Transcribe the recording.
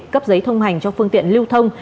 cấp giấy thông hành cho phương tiện lưu thông